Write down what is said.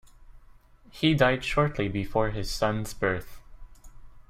He died shortly before his son's birth.